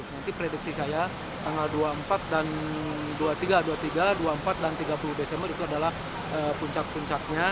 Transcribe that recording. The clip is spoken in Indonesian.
nanti prediksi saya tanggal dua puluh empat dan dua puluh tiga dua puluh tiga dua puluh empat dan tiga puluh desember itu adalah puncak puncaknya